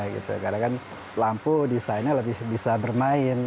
karena kan lampu desainnya lebih bisa bermain